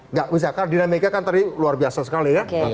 nggak bisa karena dinamika kan tadi luar biasa sekali ya